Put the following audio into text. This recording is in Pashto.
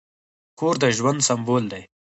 کور د ژوند سمبول دی.